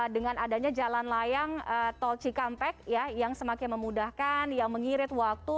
dengan adanya jalan layang tol cikampek yang semakin memudahkan yang mengirit waktu